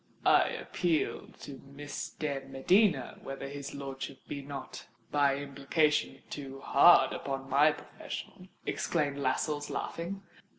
"I appeal to Miss de Medina whether his lordship be not, by implication, too hard upon my profession," exclaimed Lascelles, laughing.